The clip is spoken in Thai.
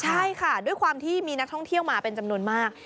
ใช่ค่ะด้วยความที่มีนักท่องเที่ยวมาเป็นจำนวนมาก